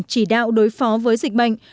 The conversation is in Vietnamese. kỳ đạo đối phó với dịch bệnh